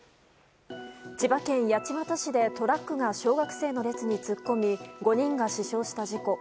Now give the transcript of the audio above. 千葉県八街市でトラックが小学生の列に突っ込み５人が死傷した事故。